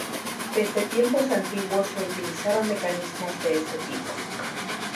Desde tiempos antiguos se utilizaron mecanismos de este tipo.